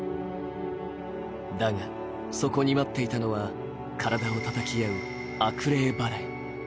だが、そこに待っていたのは体をたたき合う悪霊払い。